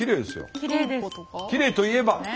きれいと言えば？